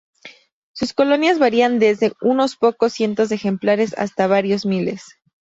Sus colonias varían desde unos pocos cientos de ejemplares hasta varios miles.